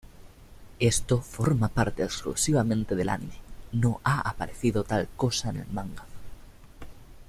Esto forma parte exclusivamente del anime, no ha aparecido tal cosa en el manga.